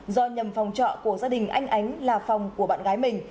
do nhầm phòng trọ của gia đình anh ánh là phòng của bạn gái mình